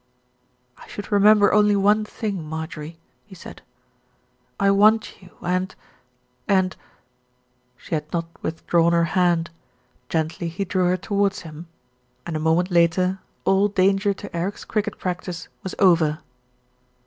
"I should remember only one thing, Marjorie," he said, "I want you and and " She had not withdrawn her hand. Gently he drew her towards him, and a moment later all danger to Eric's cricket practice was over.